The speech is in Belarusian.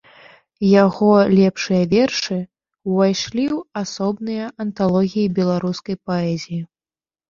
Яго лепшыя вершы ўвайшлі ў асобныя анталогіі беларускай паэзіі.